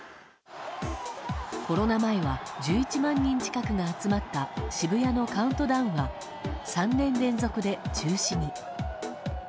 コロナ前は１１万人近くが集まった渋谷のカウントダウンは３年連続で中止に。